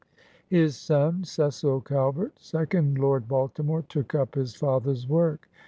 His son, Cecil Calvert, second Lord Baltimore, took up his father's work.